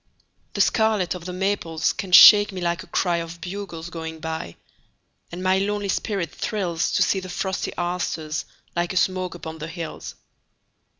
The scarlet of the maples can shake me like a cryOf bugles going by. And my lonely spirit thrillsTo see the frosty asters like a smoke upon the hills.